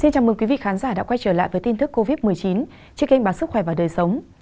chào mừng quý vị khán giả đã quay trở lại với tin thức covid một mươi chín trên kênh bản sức khỏe và đời sống